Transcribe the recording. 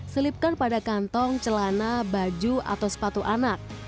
selipkan pada kantong celana baju atau sepatu anak